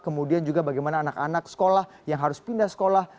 kemudian juga bagaimana anak anak sekolah yang harus pindah sekolah